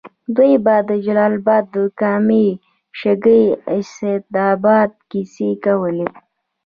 دوی به د جلال اباد د کامې، شګۍ، اسداباد کیسې کولې.